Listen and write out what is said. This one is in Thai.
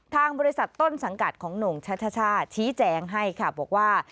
ทางบริษัทต้นสังกัดของโหน่งชัชชาชี้แจงให้ค่ะบอกว่า